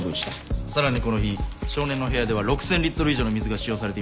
さらにこの日少年の部屋では６，０００リットル以上の水が使用されていました。